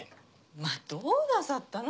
まぁどうなさったの。